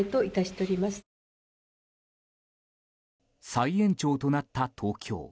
再延長となった東京。